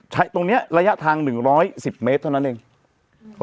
ใช้ตรงเนี้ยระยะทางหนึ่งร้อยสิบเมตรเท่านั้นเองอืม